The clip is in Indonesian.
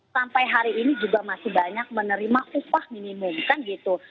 sampai hari ini juga masih banyak menerima upah minimum kan gitu